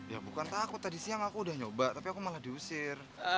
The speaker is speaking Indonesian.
ya bukan takut tadi siang aku udah nyoba tapi aku malah diusir